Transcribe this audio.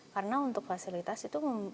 karena untuk fasilitas itu membutuhkan